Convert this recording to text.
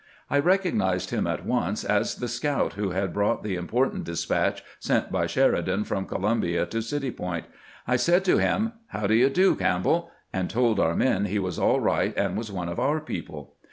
I recognized him at once as the scout who had brought the important despatch sent by Sheridan from Columbia to City Point. I said to him, " How do you do, Camp bell?" and told our men he was all right, and was one of our people.